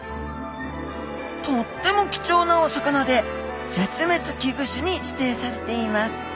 とっても貴重なお魚で絶滅危惧種に指定されています。